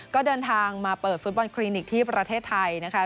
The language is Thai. ก็เดินทางมาเปิดฟุตบอลคลินิกที่ประเทศไทยนะคะ